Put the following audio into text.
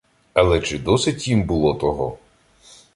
Але чи досить їм було того?